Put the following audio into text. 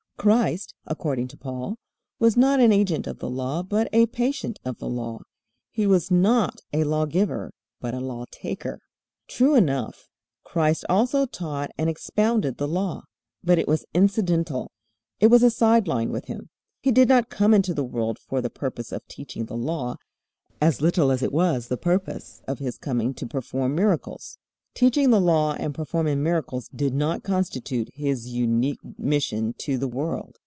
Christ, according to Paul, was not an agent of the Law but a patient of the Law. He was not a law giver, but a law taker. True enough, Christ also taught and expounded the Law. But it was incidental. It was a sideline with Him. He did not come into the world for the purpose of teaching the Law, as little as it was the purpose of His coming to perform miracles. Teaching the Law and performing miracles did not constitute His unique mission to the world.